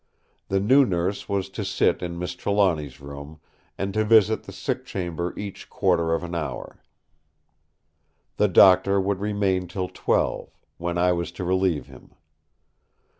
The new nurse was to sit in Miss Trelawny's room, and to visit the sick chamber each quarter of an hour. The Doctor would remain till twelve; when I was to relieve him.